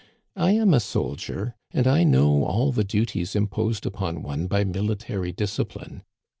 I am a soldier, and I know all the duties imposed upon one by military discipline.